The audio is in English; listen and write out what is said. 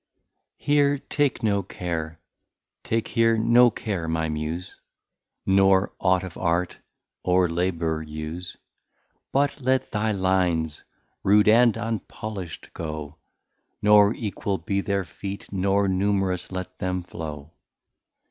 I. Here take no Care, take here no Care, my Muse, Nor ought of Art or Labour use: But let thy Lines rude and unpolisht go, Nor Equal be their Feet, nor Num'rous let them flow.